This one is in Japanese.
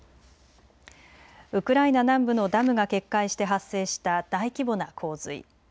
ウクライナ南部のダムが決壊して発生した大規模な洪水。